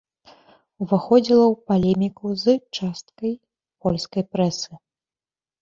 Уваходзіла ў палеміку з часткай польскай прэсы.